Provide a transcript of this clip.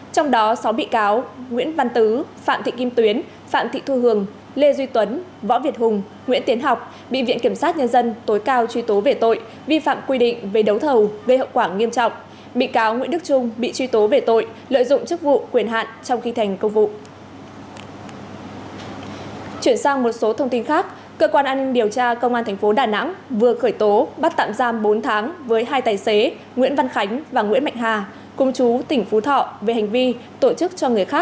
trong đó sáu bị cáo nguyễn văn tứ phạm thị kim tuyến phạm thị thu hường lê duy tuấn võ việt hùng nguyễn tiến học bị viện kiểm sát nhân dân tối cao truy tố về tội vi phạm quy định về đấu thầu gây hậu quả nghiêm trọng